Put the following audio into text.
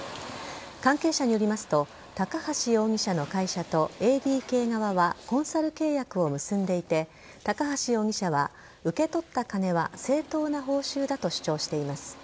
関係者によりますと高橋容疑者の会社とＡＤＫ側はコンサル契約を結んでいて高橋容疑者は受け取った金は正当な報酬だと主張しています。